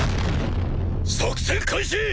作戦開始！